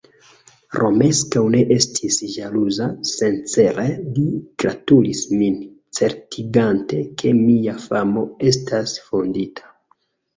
Romeskaŭ ne estis ĵaluza; sincere li gratulis min, certigante, ke mia famo estas fondita.